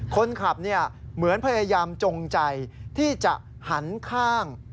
คนขับเหมือนพยายามจงใจที่จะหันข้าง